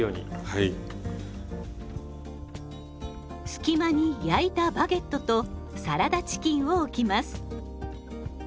隙間に焼いたバゲットとサラダチキンを置きます。